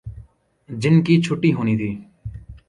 جن کی چھٹی ہونی تھی۔